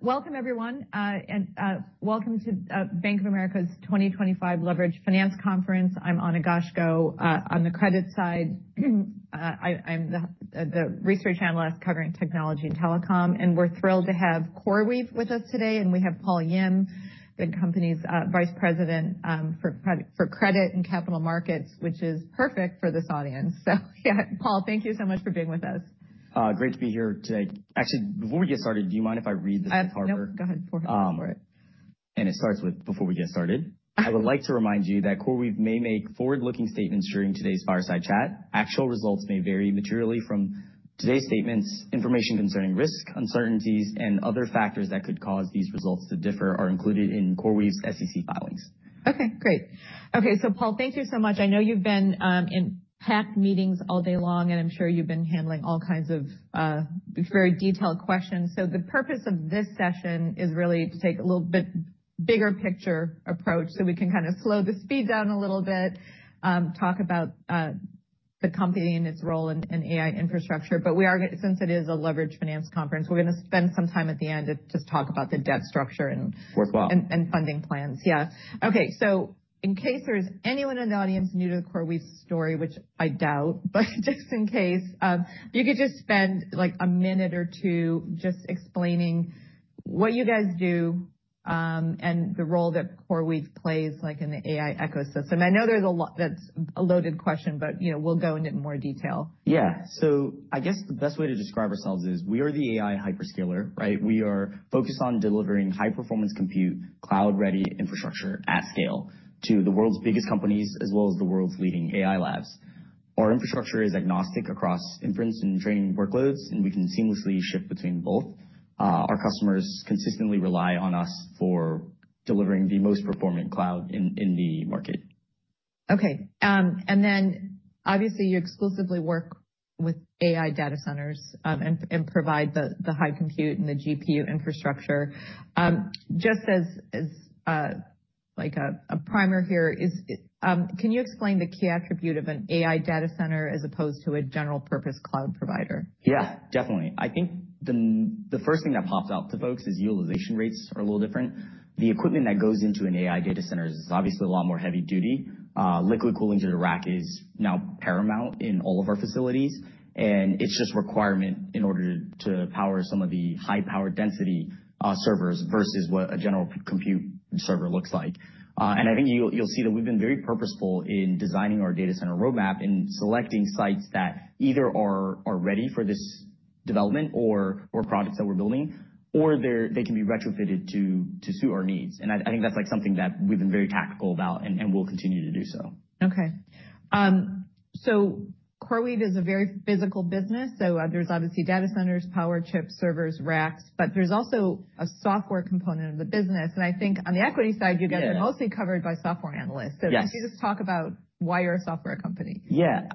Welcome, everyone, and welcome to Bank of America's 2025 Leveraged Finance Conference. I'm Ana Goshko on the credit side. I'm the research analyst covering technology and telecom, and we're thrilled to have CoreWeave with us today, and we have Paul Yim, the company's vice president for credit and capital markets, which is perfect for this audience, so yeah, Paul, thank you so much for being with us. Great to be here today. Actually, before we get started, do you mind if I read this at Harvard? No, go ahead. It starts with, "Before we get started, I would like to remind you that CoreWeave may make forward-looking statements during today's fireside chat. Actual results may vary materially from today's statements. Information concerning risk, uncertainties, and other factors that could cause these results to differ are included in CoreWeave's SEC filings. Okay, great. Okay, so Paul, thank you so much. I know you've been in packed meetings all day long, and I'm sure you've been handling all kinds of very detailed questions. So the purpose of this session is really to take a little bit bigger picture approach so we can kind of slow the speed down a little bit, talk about the company and its role in AI infrastructure. But since it is a leveraged finance conference, we're going to spend some time at the end to just talk about the debt structure and funding plans. Yeah. Okay, so in case there's anyone in the audience new to the CoreWeave story, which I doubt, but just in case, if you could just spend like a minute or two just explaining what you guys do and the role that CoreWeave plays in the AI ecosystem. I know there's a lot that's a loaded question, but we'll go into more detail. Yeah, so I guess the best way to describe ourselves is we are the AI hyperscaler, right? We are focused on delivering high-performance compute, cloud-ready infrastructure at scale to the world's biggest companies as well as the world's leading AI labs. Our infrastructure is agnostic across inference and training workloads, and we can seamlessly shift between both. Our customers consistently rely on us for delivering the most performing cloud in the market. Okay, and then obviously you exclusively work with AI data centers and provide the high compute and the GPU infrastructure. Just, like, a primer here, can you explain the key attribute of an AI data center as opposed to a general-purpose cloud provider? Yeah, definitely. I think the first thing that pops out to folks is utilization rates are a little different. The equipment that goes into an AI data center is obviously a lot more heavy-duty. Liquid cooling to the rack is now paramount in all of our facilities, and it's just a requirement in order to power some of the high-power density servers versus what a general compute server looks like. And I think you'll see that we've been very purposeful in designing our data center roadmap and selecting sites that either are ready for this development or products that we're building, or they can be retrofitted to suit our needs. And I think that's like something that we've been very tactical about and will continue to do so. Okay, so CoreWeave is a very physical business. So there's obviously data centers, power chips, servers, racks, but there's also a software component of the business, and I think on the equity side, you guys are mostly covered by software analysts, so could you just talk about why you're a software company? Yeah.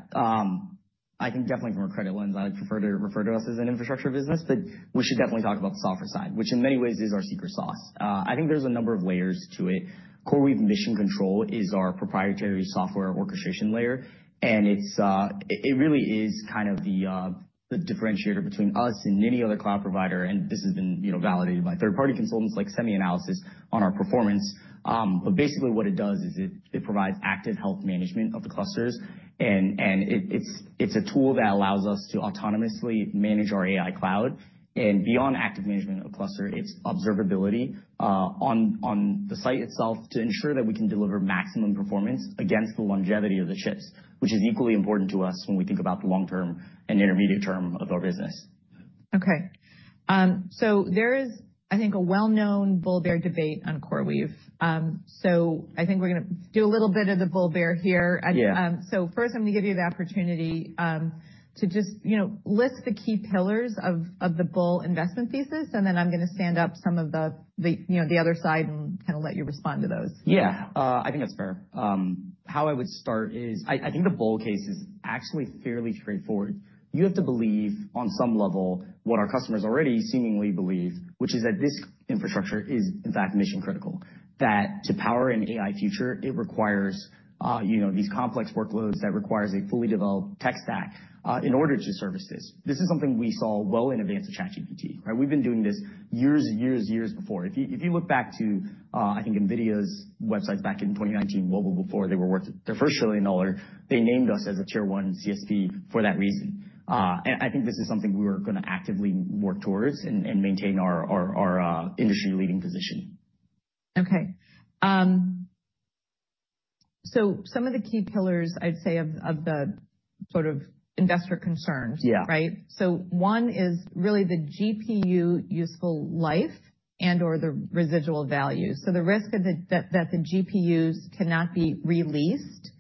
I think definitely from a credit lens, I prefer to refer to us as an infrastructure business, but we should definitely talk about the software side, which in many ways is our secret sauce. I think there's a number of layers to it. CoreWeave Mission Control is our proprietary software orchestration layer, and it really is kind of the differentiator between us and any other cloud provider. And this has been validated by third-party consultants like SemiAnalysis on our performance. But basically what it does is it provides active health management of the clusters, and it's a tool that allows us to autonomously manage our AI cloud. Beyond active management of cluster, it's observability on the site itself to ensure that we can deliver maximum performance against the longevity of the chips, which is equally important to us when we think about the long-term and intermediate term of our business. Okay. So there is, I think, a well-known bull bear debate on CoreWeave. So I think we're going to do a little bit of the bull bear here. So first, I'm going to give you the opportunity to just list the key pillars of the bull investment thesis, and then I'm going to straw man some of the other side and kind of let you respond to those. Yeah, I think that's fair. How I would start is I think the bull case is actually fairly straightforward. You have to believe on some level what our customers already seemingly believe, which is that this infrastructure is, in fact, mission-critical. That to power an AI future, it requires these complex workloads that require a fully developed tech stack in order to service this. This is something we saw well in advance of ChatGPT, right? We've been doing this years, years, years before. If you look back to, I think, NVIDIA's websites back in 2019, well before they were worth their first trillion dollars, they named us as a tier one CSP for that reason. And I think this is something we were going to actively work towards and maintain our industry-leading position. Okay. So some of the key pillars, I'd say, of the sort of investor concerns, right? So one is really the GPU useful life and/or the residual value. So the risk that the GPUs cannot be released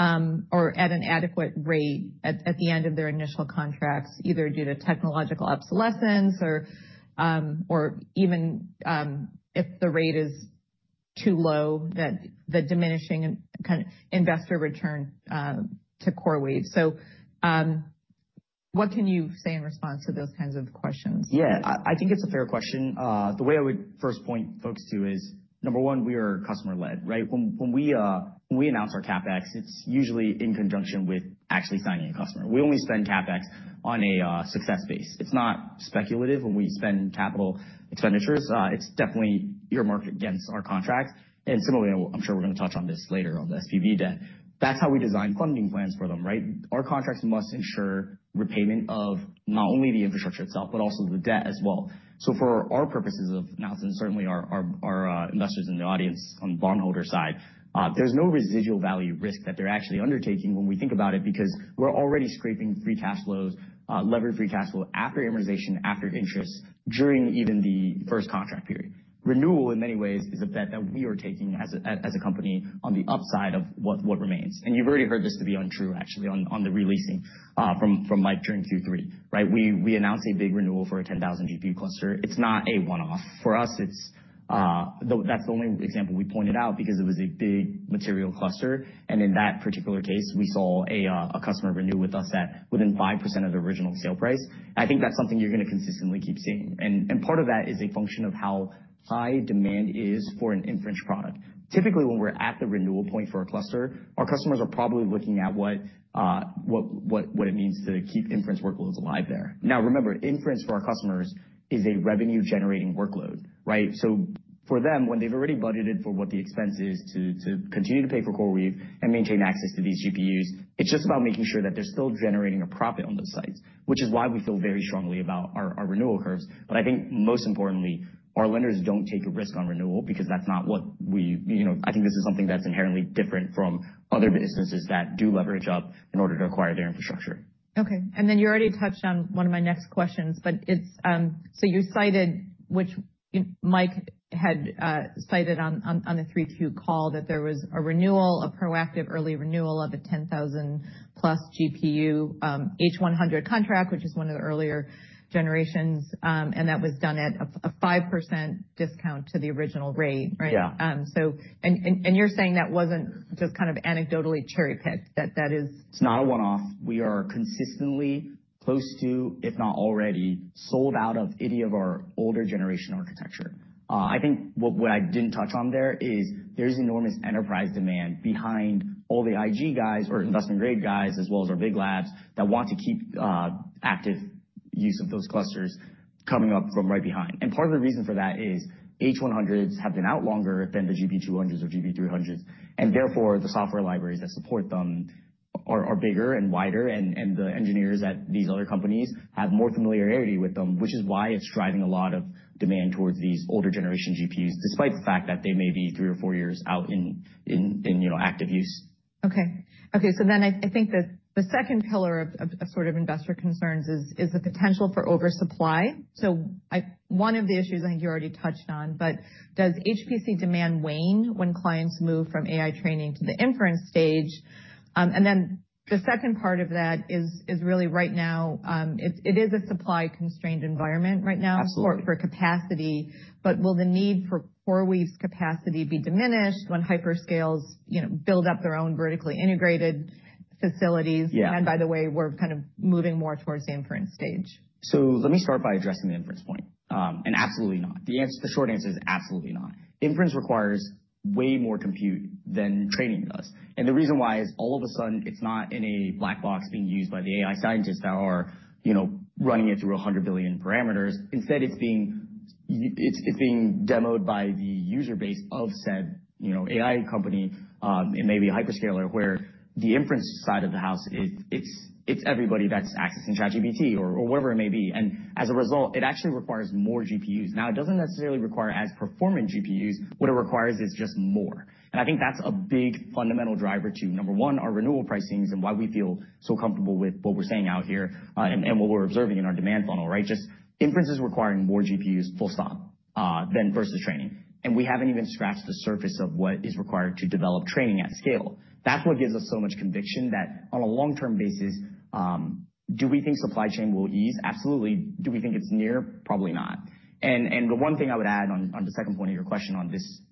or at an adequate rate at the end of their initial contracts, either due to technological obsolescence or even if the rate is too low, that the diminishing kind of investor return to CoreWeave. So what can you say in response to those kinds of questions? Yeah, I think it's a fair question. The way I would first point folks to is, number one, we are customer-led, right? When we announce our CapEx, it's usually in conjunction with actually signing a customer. We only spend CapEx on a success basis. It's not speculative when we spend capital expenditures. It's definitely earmarked against our contracts. And similarly, I'm sure we're going to touch on this later on the SPV debt. That's how we design funding plans for them, right? Our contracts must ensure repayment of not only the infrastructure itself, but also the debt as well. So for our purposes of announcing, certainly our investors in the audience on the bondholder side, there's no residual value risk that they're actually undertaking when we think about it because we're already shaping free cash flows, leveraged free cash flow after amortization, after interest, during even the first contract period. Renewal, in many ways, is a bet that we are taking as a company on the upside of what remains. And you've already heard this to be untrue, actually, on the release from Mike during Q3, right? We announced a big renewal for a 10,000 GPU cluster. It's not a one-off. For us, that's the only example we pointed out because it was a big material cluster. And in that particular case, we saw a customer renew with us at within 5% of the original sale price. I think that's something you're going to consistently keep seeing. And part of that is a function of how high demand is for an inference product. Typically, when we're at the renewal point for a cluster, our customers are probably looking at what it means to keep inference workloads alive there. Now, remember, inference for our customers is a revenue-generating workload, right? So for them, when they've already budgeted for what the expense is to continue to pay for CoreWeave and maintain access to these GPUs, it's just about making sure that they're still generating a profit on those sites, which is why we feel very strongly about our renewal curves. But I think most importantly, our lenders don't take a risk on renewal because that's not what we—I think this is something that's inherently different from other businesses that do leverage up in order to acquire their infrastructure. Okay. And then you already touched on one of my next questions, but it's so you cited, which Mike had cited on the 3Q call, that there was a renewal, a proactive early renewal of a 10,000+ GPU H100 contract, which is one of the earlier generations, and that was done at a 5% discount to the original rate, right? Yeah. You're saying that wasn't just kind of anecdotally cherry-picked, that that is. It's not a one-off. We are consistently close to, if not already, sold out of any of our older generation architecture. I think what I didn't touch on there is there's enormous enterprise demand behind all the IG guys or investment-grade guys as well as our big labs that want to keep active use of those clusters coming up from right behind. And part of the reason for that is H100s have been out longer than the GB200s or GB300s, and therefore the software libraries that support them are bigger and wider, and the engineers at these other companies have more familiarity with them, which is why it's driving a lot of demand towards these older generation GPUs, despite the fact that they may be three or four years out in active use. Okay. So then I think the second pillar of sort of investor concerns is the potential for oversupply. So one of the issues I think you already touched on, but does HPC demand wane when clients move from AI training to the inference stage? And then the second part of that is really right now, it is a supply-constrained environment for capacity, but will the need for CoreWeave's capacity be diminished when hyperscalers build up their own vertically integrated facilities? And by the way, we're kind of moving more towards the inference stage. So let me start by addressing the inference point. And absolutely not. The short answer is absolutely not. Inference requires way more compute than training does. And the reason why is all of a sudden it's not in a black box being used by the AI scientists that are running it through 100 billion parameters. Instead, it's being demoed by the user base of said AI company and maybe a hyperscaler where the inference side of the house, it's everybody that's accessing ChatGPT or whatever it may be. And as a result, it actually requires more GPUs. Now, it doesn't necessarily require as performant GPUs. What it requires is just more. And I think that's a big fundamental driver to, number one, our renewal pricings and why we feel so comfortable with what we're saying out here and what we're observing in our demand funnel, right? Just inference is requiring more GPUs, full stop, than versus training. And we haven't even scratched the surface of what is required to develop training at scale. That's what gives us so much conviction that on a long-term basis, do we think supply chain will ease? Absolutely. Do we think it's near? Probably not. And the one thing I would add on the second point of your question on this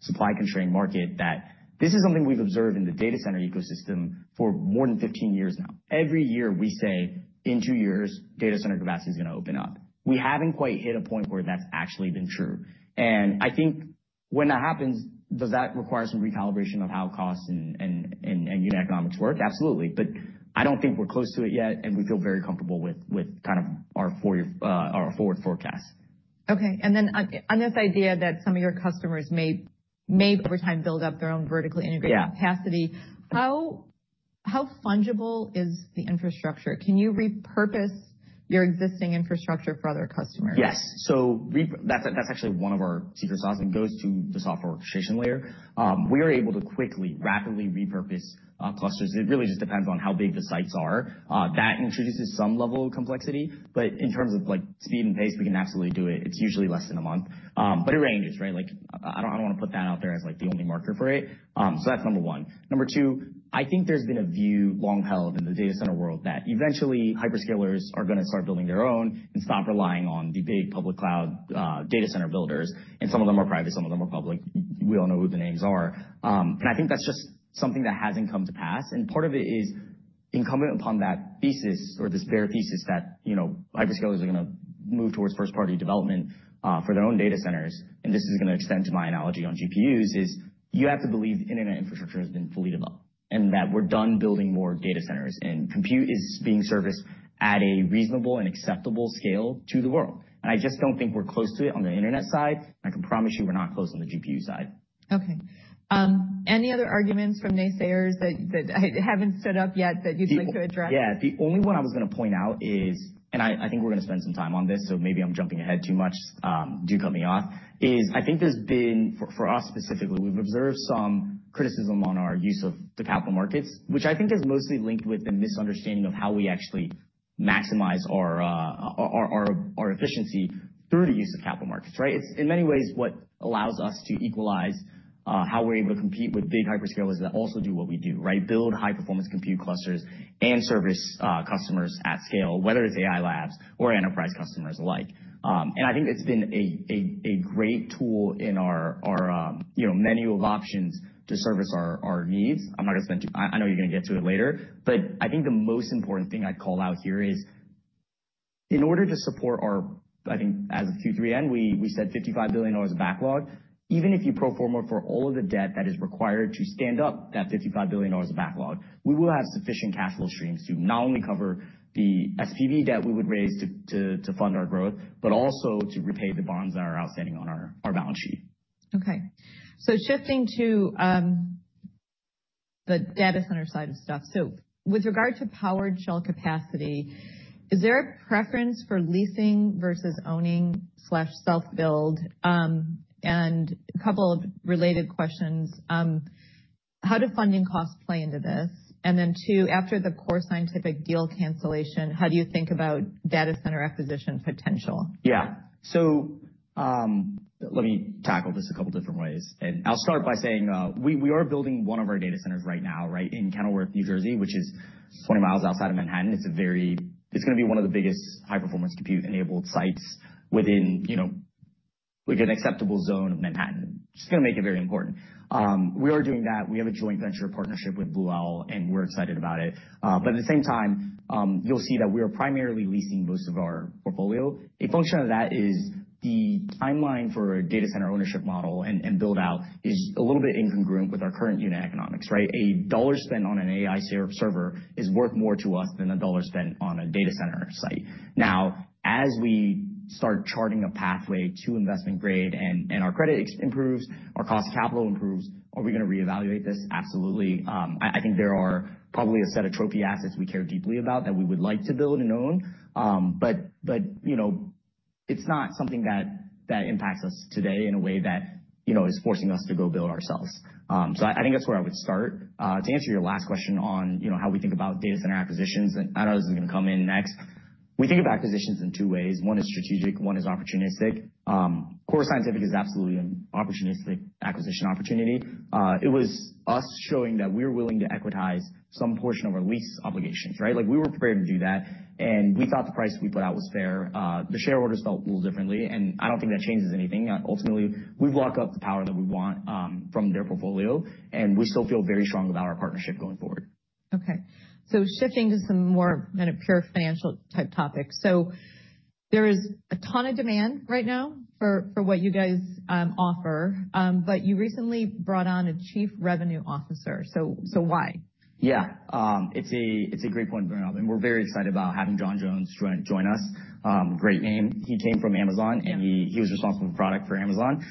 supply-constrained market, that this is something we've observed in the data center ecosystem for more than 15 years now. Every year we say, in two years, data center capacity is going to open up. We haven't quite hit a point where that's actually been true. And I think when that happens, does that require some recalibration of how costs and unit economics work? Absolutely. But I don't think we're close to it yet, and we feel very comfortable with kind of our forward forecast. Okay, and then on this idea that some of your customers may over time build up their own vertically integrated capacity. How fungible is the infrastructure? Can you repurpose your existing infrastructure for other customers? Yes. So that's actually one of our secret sauce and goes to the software orchestration layer. We are able to quickly, rapidly repurpose clusters. It really just depends on how big the sites are. That introduces some level of complexity, but in terms of speed and pace, we can absolutely do it. It's usually less than a month, but it ranges, right? I don't want to put that out there as the only marker for it. So that's number one. Number two, I think there's been a view long held in the data center world that eventually hyperscalers are going to start building their own and stop relying on the big public cloud data center builders. And some of them are private, some of them are public. We all know who the names are. And I think that's just something that hasn't come to pass. And part of it is incumbent upon that thesis or this bare thesis that hyperscalers are going to move towards first-party development for their own data centers. And this is going to extend to my analogy on GPUs is you have to believe internet infrastructure has been fully developed and that we're done building more data centers and compute is being serviced at a reasonable and acceptable scale to the world. And I just don't think we're close to it on the internet side. I can promise you we're not close on the GPU side. Okay. Any other arguments from naysayers that haven't stood up yet that you'd like to address? Yeah. The only one I was going to point out is, and I think we're going to spend some time on this, so maybe I'm jumping ahead too much. Do cut me off. I think there's been, for us specifically, we've observed some criticism on our use of the capital markets, which I think is mostly linked with the misunderstanding of how we actually maximize our efficiency through the use of capital markets, right? It's in many ways what allows us to equalize how we're able to compete with big hyperscalers that also do what we do, right? Build high-performance compute clusters and service customers at scale, whether it's AI labs or enterprise customers alike. And I think it's been a great tool in our menu of options to service our needs. I'm not going to spend too. I know you're going to get to it later, but I think the most important thing I'd call out here is in order to support our. I think as of Q3, we said $55 billion of backlog. Even if you pro forma for all of the debt that is required to stand up that $55 billion of backlog, we will have sufficient cash flow streams to not only cover the SPV debt we would raise to fund our growth, but also to repay the bonds that are outstanding on our balance sheet. Okay. So shifting to the data center side of stuff. So with regard to powered shell capacity, is there a preference for leasing versus owning/self-build? And a couple of related questions. How do funding costs play into this? And then two, after the Core Scientific deal cancellation, how do you think about data center acquisition potential? Yeah. So let me tackle this a couple of different ways. And I'll start by saying we are building one of our data centers right now, right, in Kenilworth, New Jersey, which is 20 mi outside of Manhattan. It's going to be one of the biggest high-performance compute-enabled sites within an acceptable zone of Manhattan. It's going to make it very important. We are doing that. We have a joint venture partnership with Blue Owl, and we're excited about it. But at the same time, you'll see that we are primarily leasing most of our portfolio. A function of that is the timeline for a data center ownership model and build-out is a little bit incongruent with our current unit economics, right? A dollar spent on an AI server is worth more to us than a dollar spent on a data center site. Now, as we start charting a pathway to investment grade and our credit improves, our cost of capital improves, are we going to reevaluate this? Absolutely. I think there are probably a set of trophy assets we care deeply about that we would like to build and own, but it's not something that impacts us today in a way that is forcing us to go build ourselves. So I think that's where I would start. To answer your last question on how we think about data center acquisitions, and I know this is going to come in next. We think about acquisitions in two ways. One is strategic. One is opportunistic. Core Scientific is absolutely an opportunistic acquisition opportunity. It was us showing that we were willing to equitize some portion of our lease obligations, right? We were prepared to do that, and we thought the price we put out was fair. The shareholders felt a little differently, and I don't think that changes anything. Ultimately, we've locked up the power that we want from their portfolio, and we still feel very strong about our partnership going forward. Okay. So shifting to some more kind of pure financial type topics. So there is a ton of demand right now for what you guys offer, but you recently brought on a Chief Revenue Officer. So why? Yeah. It's a great point, Brannin. We're very excited about having John Jones join us. Great name. He came from Amazon, and he was responsible for product for Amazon.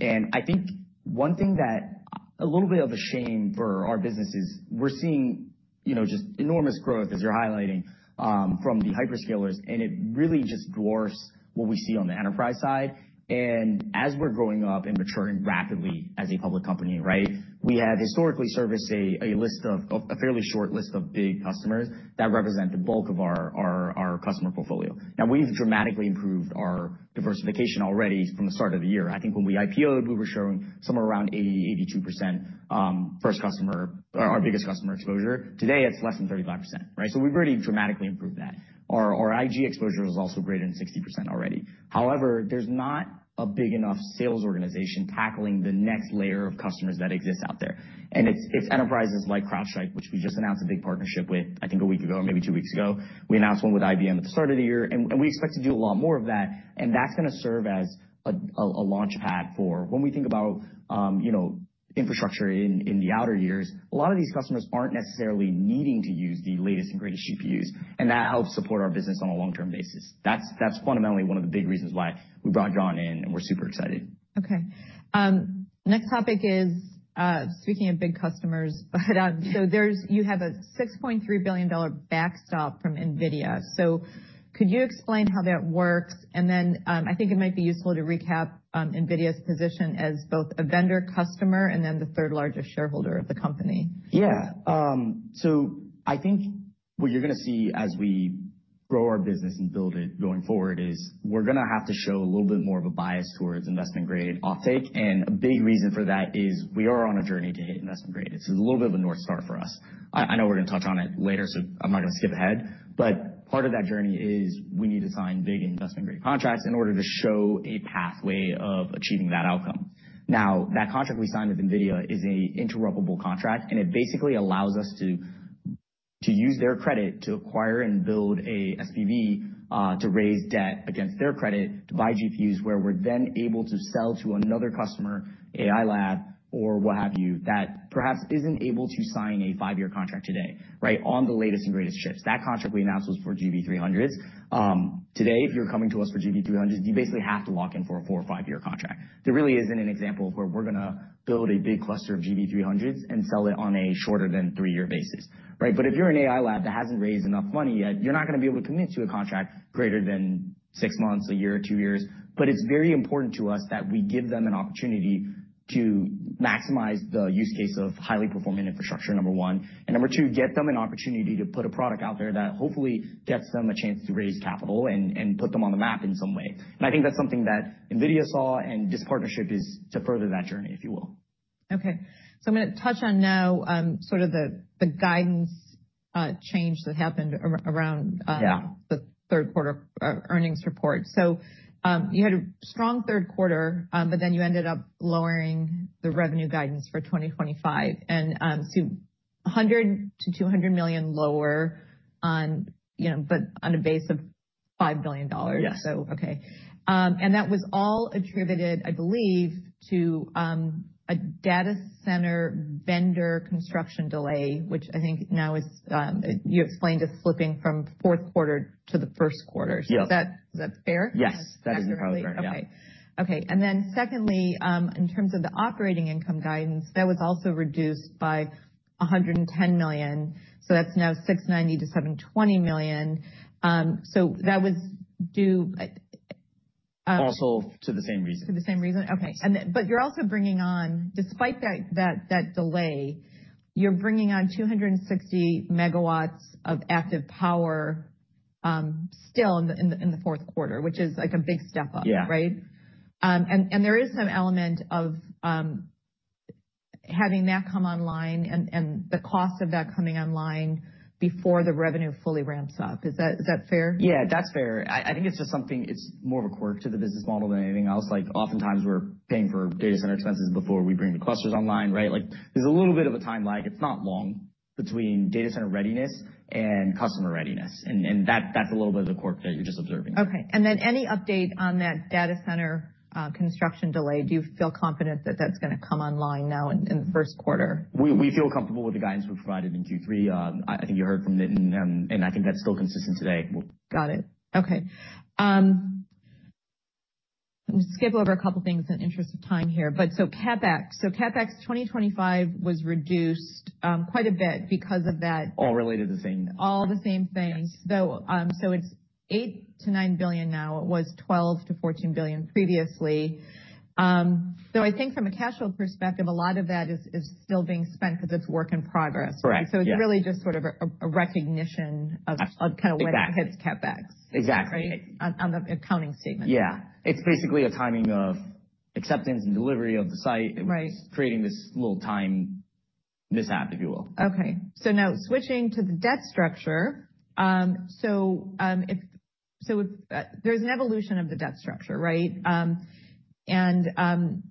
And I think one thing that a little bit of a shame for our business is we're seeing just enormous growth, as you're highlighting, from the hyperscalers, and it really just dwarfs what we see on the enterprise side. And as we're growing up and maturing rapidly as a public company, right, we have historically serviced a list of a fairly short list of big customers that represent the bulk of our customer portfolio. Now, we've dramatically improved our diversification already from the start of the year. I think when we IPOed, we were showing somewhere around 80%-82% first customer, our biggest customer exposure. Today, it's less than 35%, right? So we've already dramatically improved that. Our IG exposure is also greater than 60% already. However, there's not a big enough sales organization tackling the next layer of customers that exists out there, and it's enterprises like CrowdStrike, which we just announced a big partnership with, I think, a week ago or maybe two weeks ago. We announced one with IBM at the start of the year, and we expect to do a lot more of that, and that's going to serve as a launchpad for when we think about infrastructure in the outer years, a lot of these customers aren't necessarily needing to use the latest and greatest GPUs, and that helps support our business on a long-term basis. That's fundamentally one of the big reasons why we brought John in, and we're super excited. Okay. Next topic is speaking of big customers, but so you have a $6.3 billion backstop from NVIDIA, so could you explain how that works, and then I think it might be useful to recap NVIDIA's position as both a vendor customer and then the third largest shareholder of the company. Yeah. So I think what you're going to see as we grow our business and build it going forward is we're going to have to show a little bit more of a bias towards investment-grade offtake. And a big reason for that is we are on a journey to hit investment grade. It's a little bit of a North Star for us. I know we're going to touch on it later, so I'm not going to skip ahead, but part of that journey is we need to sign big investment-grade contracts in order to show a pathway of achieving that outcome. Now, that contract we signed with NVIDIA is an interruptible contract, and it basically allows us to use their credit to acquire and build an SPV to raise debt against their credit to buy GPUs where we're then able to sell to another customer, AI lab, or what have you, that perhaps isn't able to sign a five-year contract today, right, on the latest and greatest chips. That contract we announced was for GB300s. Today, if you're coming to us for GB300s, you basically have to lock in for a four or five-year contract. There really isn't an example of where we're going to build a big cluster of GB300s and sell it on a shorter than three-year basis, right? But if you're an AI lab that hasn't raised enough money yet, you're not going to be able to commit to a contract greater than six months, a year, two years. But it's very important to us that we give them an opportunity to maximize the use case of highly performant infrastructure, number one. And number two, get them an opportunity to put a product out there that hopefully gets them a chance to raise capital and put them on the map in some way. And I think that's something that NVIDIA saw, and this partnership is to further that journey, if you will. Okay. So I'm going to touch on now sort of the guidance change that happened around the third-quarter earnings report. So you had a strong third quarter, but then you ended up lowering the revenue guidance for 2025. And so $100 million-$200 million lower on a base of $5 billion. Yes. Okay. And that was all attributed, I believe, to a data center vendor construction delay, which I think now is, you explained, is slipping from fourth quarter to the first quarter. Is that fair? Yes. That is entirely fair. Then, secondly, in terms of the operating income guidance, that was also reduced by $110 million. That's now $690 million-$720 million. That was due. Also, to the same reason. To the same reason? Okay. But you're also bringing on, despite that delay, you're bringing on 260 MW of active power still in the fourth quarter, which is like a big step up, right? Yeah. There is some element of having that come online and the cost of that coming online before the revenue fully ramps up. Is that fair? Yeah, that's fair. I think it's just something. It's more of a quirk to the business model than anything else. Oftentimes, we're paying for data center expenses before we bring the clusters online, right? There's a little bit of a time lag. It's not long between data center readiness and customer readiness. And that's a little bit of the quirk that you're just observing. Okay. And then any update on that data center construction delay? Do you feel confident that that's going to come online now in the first quarter? We feel comfortable with the guidance we provided in Q3. I think you heard from Nitin, and I think that's still consistent today. Got it. Okay. I'm going to skip over a couple of things in the interest of time here. So CapEx. So CapEx 2025 was reduced quite a bit because of that. All related to the same. All the same things. It's $8 billion-$9 billion now. It was $12 billion-$14 billion previously. I think from a cash flow perspective, a lot of that is still being spent because it's work in progress. Correct. So it's really just sort of a recognition of kind of when it hits CapEx. Exactly. On the accounting statement. Yeah. It's basically a timing of acceptance and delivery of the site. It's creating this little time mishap, if you will. Okay. So now switching to the debt structure. So there's an evolution of the debt structure, right? And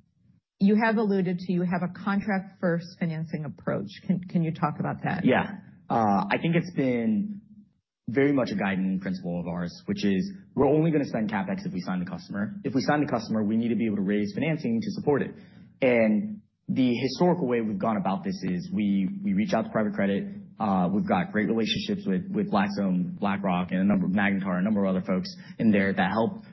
you have alluded to a contract-first financing approach. Can you talk about that? Yeah. I think it's been very much a guiding principle of ours, which is we're only going to spend CapEx if we sign the customer. If we sign the customer, we need to be able to raise financing to support it. And the historical way we've gone about this is we reach out to private credit. We've got great relationships with Blackstone, BlackRock, and a number of Magnetar, a number of other folks in there that help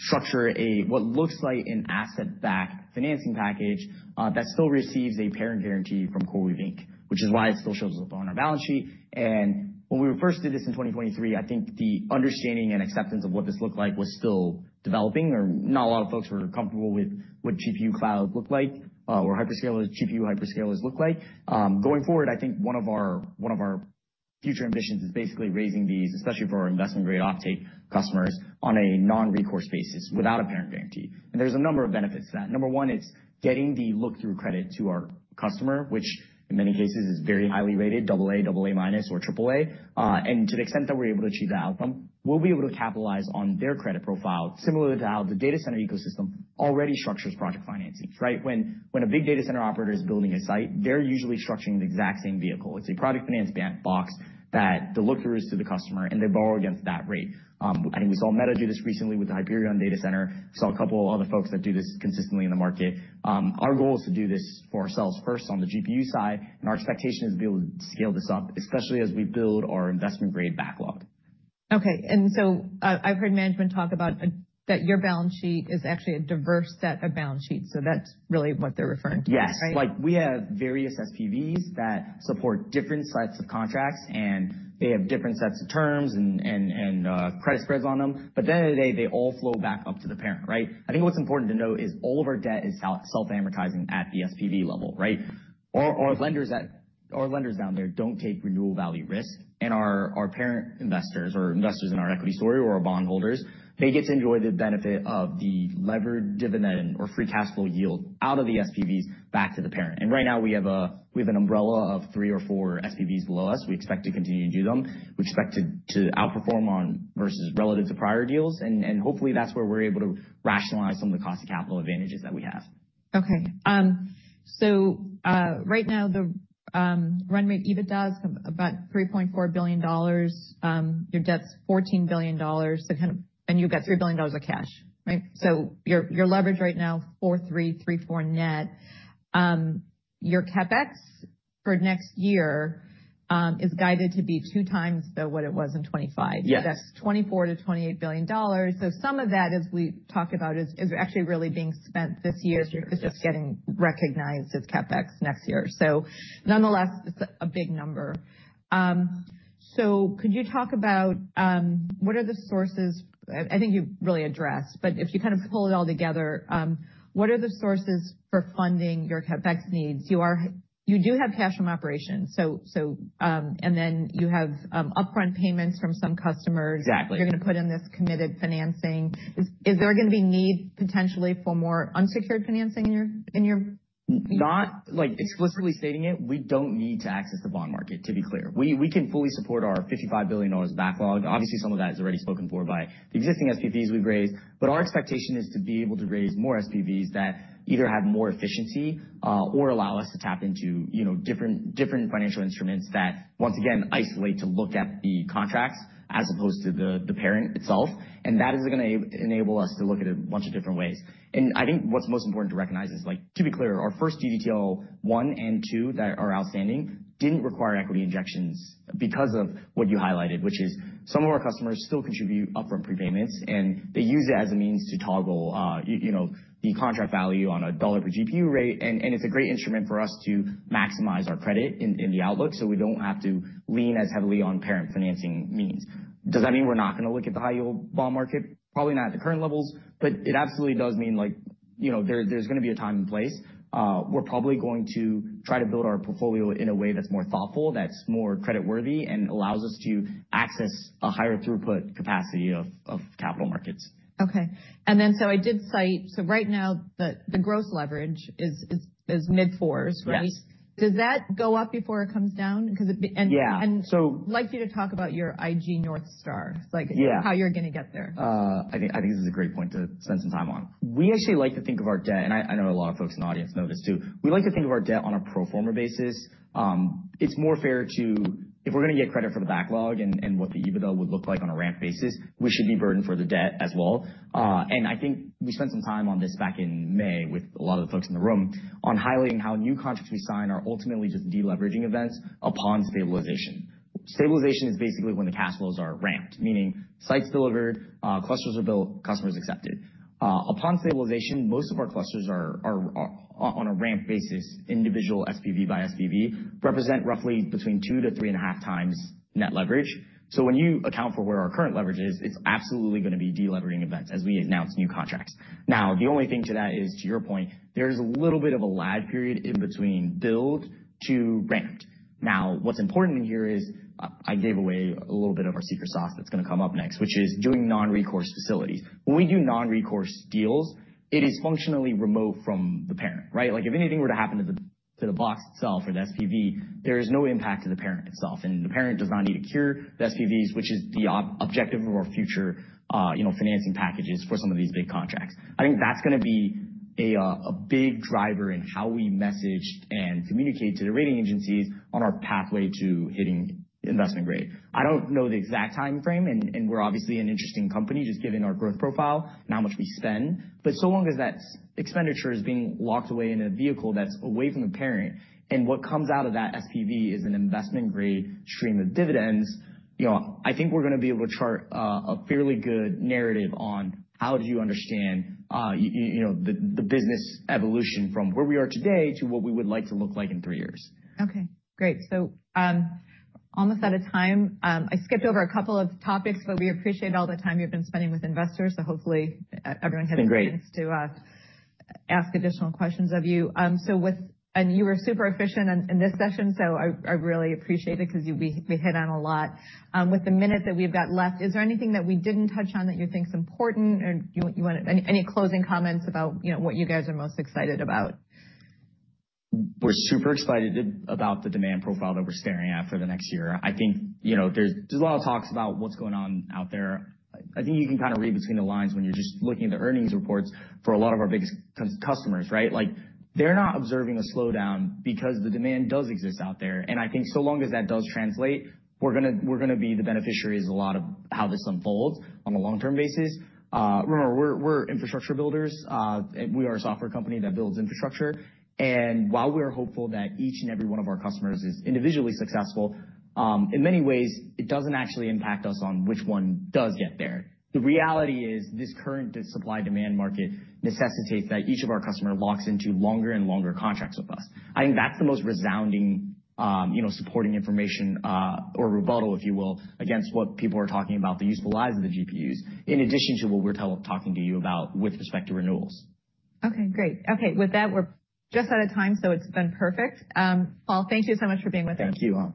structure what looks like an asset-backed financing package that still receives a parent guarantee from CoreWeave, Inc., which is why it still shows up on our balance sheet. And when we first did this in 2023, I think the understanding and acceptance of what this looked like was still developing, or not a lot of folks were comfortable with what GPU cloud looked like or GPU hyperscalers looked like. Going forward, I think one of our future ambitions is basically raising these, especially for our investment-grade offtake customers, on a non-recourse basis without a parent guarantee. And there's a number of benefits to that. Number one, it's getting the look-through credit to our customer, which in many cases is very highly rated, AA, AA- or AAA. And to the extent that we're able to achieve that outcome, we'll be able to capitalize on their credit profile, similar to how the data center ecosystem already structures project financings, right? When a big data center operator is building a site, they're usually structuring the exact same vehicle. It's a project finance box that the look-through is to the customer, and they borrow against that rate. I think we saw Meta do this recently with the Hyperion Data Center. We saw a couple of other folks that do this consistently in the market. Our goal is to do this for ourselves first on the GPU side, and our expectation is to be able to scale this up, especially as we build our investment-grade backlog. Okay. And so, I've heard management talk about that your balance sheet is actually a diverse set of balance sheets. So that's really what they're referring to, right? Yes. We have various SPVs that support different sets of contracts, and they have different sets of terms and credit spreads on them. But at the end of the day, they all flow back up to the parent, right? I think what's important to note is all of our debt is self-amortizing at the SPV level, right? Our lenders down there don't take renewal value risk, and our parent investors or investors in our equity story or our bondholders, they get to enjoy the benefit of the levered dividend or free cash flow yield out of the SPVs back to the parent. And right now, we have an umbrella of three or four SPVs below us. We expect to continue to do them. We expect to outperform versus relative to prior deals, and hopefully, that's where we're able to rationalize some of the cost of capital advantages that we have. Okay. So right now, the run rate EBITDA is about $3.4 billion. Your debt's $14 billion. And you've got $3 billion of cash, right? So your leverage right now, 4.3, 3.4 net. Your CapEx for next year is guided to be two times what it was in 2025. That's $24 billion-$28 billion. So some of that, as we talked about, is actually really being spent this year. It's just getting recognized as CapEx next year. So nonetheless, it's a big number. So could you talk about what are the sources? I think you've really addressed, but if you kind of pull it all together, what are the sources for funding your CapEx needs? You do have cash from operations, and then you have upfront payments from some customers. Exactly. You're going to put in this committed financing. Is there going to be need potentially for more unsecured financing in your? Not explicitly stating it. We don't need to access the bond market, to be clear. We can fully support our $55 billion backlog. Obviously, some of that is already spoken for by the existing SPVs we've raised, but our expectation is to be able to raise more SPVs that either have more efficiency or allow us to tap into different financial instruments that, once again, isolate to look at the contracts as opposed to the parent itself. And that is going to enable us to look at a bunch of different ways. And I think what's most important to recognize is, to be clear, our first GDTO 1 and 2 that are outstanding didn't require equity injections because of what you highlighted, which is some of our customers still contribute upfront prepayments, and they use it as a means to toggle the contract value on a dollar per GPU rate. It's a great instrument for us to maximize our credit in the outlook so we don't have to lean as heavily on parent financing means. Does that mean we're not going to look at the high-yield bond market? Probably not at the current levels, but it absolutely does mean there's going to be a time and place. We're probably going to try to build our portfolio in a way that's more thoughtful, that's more credit-worthy, and allows us to access a higher throughput capacity of capital markets. Okay. And then so I did cite, so right now, the gross leverage is mid-4s, right? Yes. Does that go up before it comes down? Yeah. I'd like you to talk about your IG North Star, how you're going to get there. I think this is a great point to spend some time on. We actually like to think of our debt, and I know a lot of folks in the audience know this too. We like to think of our debt on a pro forma basis. It's more fair to, if we're going to get credit for the backlog and what the EBITDA would look like on a ramp basis, we should be burdened for the debt as well. And I think we spent some time on this back in May with a lot of the folks in the room on highlighting how new contracts we sign are ultimately just deleveraging events upon stabilization. Stabilization is basically when the cash flows are ramped, meaning sites delivered, clusters are built, customers accepted. Upon stabilization, most of our clusters are on a ramp basis. Individual SPV by SPV represent roughly between two to three and a half times net leverage. So when you account for where our current leverage is, it's absolutely going to be deleveraging events as we announce new contracts. Now, the only thing to that is, to your point, there is a little bit of a lag period in between build to ramped. Now, what's important in here is I gave away a little bit of our secret sauce that's going to come up next, which is doing non-recourse facilities. When we do non-recourse deals, it is functionally remote from the parent, right? If anything were to happen to the box itself or the SPV, there is no impact to the parent itself, and the parent does not need to cure the SPVs, which is the objective of our future financing packages for some of these big contracts. I think that's going to be a big driver in how we message and communicate to the rating agencies on our pathway to hitting investment grade. I don't know the exact time frame, and we're obviously an interesting company just given our growth profile and how much we spend, but so long as that expenditure is being locked away in a vehicle that's away from the parent and what comes out of that SPV is an investment-grade stream of dividends, I think we're going to be able to chart a fairly good narrative on how do you understand the business evolution from where we are today to what we would like to look like in three years. Okay. Great. So almost out of time. I skipped over a couple of topics, but we appreciate all the time you've been spending with investors. So hopefully, everyone has a chance to ask additional questions of you. And you were super efficient in this session, so I really appreciate it because we hit on a lot. With the minute that we've got left, is there anything that we didn't touch on that you think is important? Any closing comments about what you guys are most excited about? We're super excited about the demand profile that we're staring at for the next year. I think there's a lot of talks about what's going on out there. I think you can kind of read between the lines when you're just looking at the earnings reports for a lot of our biggest customers, right? They're not observing a slowdown because the demand does exist out there. And I think so long as that does translate, we're going to be the beneficiaries of a lot of how this unfolds on a long-term basis. Remember, we're infrastructure builders. We are a software company that builds infrastructure. And while we are hopeful that each and every one of our customers is individually successful, in many ways, it doesn't actually impact us on which one does get there. The reality is this current supply-demand market necessitates that each of our customers locks into longer and longer contracts with us. I think that's the most resounding supporting information or rebuttal, if you will, against what people are talking about, the useful lives of the GPUs, in addition to what we're talking to you about with respect to renewals. Okay. Great. Okay. With that, we're just out of time, so it's been perfect. Paul, thank you so much for being with us. Thank you.